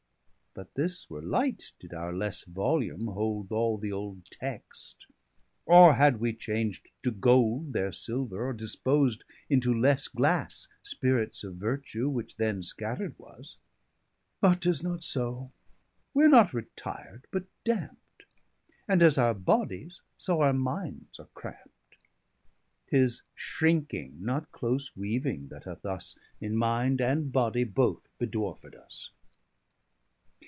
But this were light, did our lesse volume hold All the old Text; or had wee chang'd to gold Their silver; or dispos'd into lesse glasse Spirits of vertue, which then scatter'd was. 150 But 'tis not so: w'are not retir'd, but dampt; And as our bodies, so our mindes are crampt: 'Tis shrinking, not close weaving that hath thus, In minde, and body both bedwarfed us.